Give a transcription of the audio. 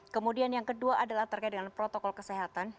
kemudian yang kedua adalah terkait dengan protokol kesehatan